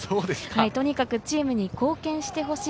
とにかくチームに貢献してほしい。